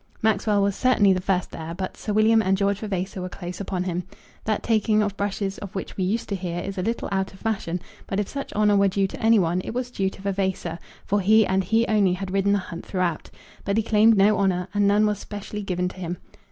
Maxwell was certainly the first there, but Sir William and George Vavasor were close upon him. That taking of brushes of which we used to hear is a little out of fashion; but if such honour were due to any one it was due to Vavasor, for he and he only had ridden the hunt throughout. But he claimed no honour, and none was specially given to him.